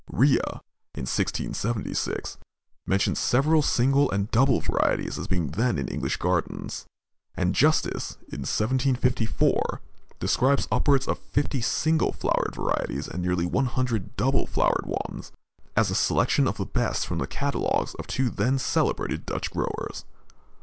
Rea, in 1676, mentions several single and double varieties as being then in English gardens, and Justice, in 1754, describes upwards of fifty single flowered varieties, and nearly one hundred double flowered ones, as a selection of the best from the catalogues of two then celebrated Dutch growers.